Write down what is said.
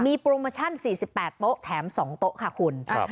มีโปรโมชั่น๔๘โต๊ะแถม๒โต๊ะค่ะคุณ